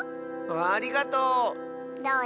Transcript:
ありがとう！